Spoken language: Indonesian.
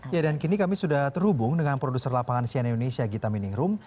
ya dan kini kami sudah terhubung dengan produser lapangan siene indonesia gitami ningrum